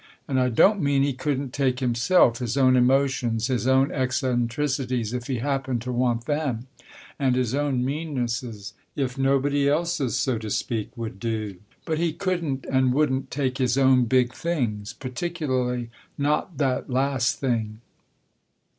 And I don't mean he couldn't take himself, his own emotions, his own eccentricities, if he happened to want them, and his own meannesses, if nobody else's, so to speak, would do. But he couldn't and wouldn't take his own big things, particularly not that last thing.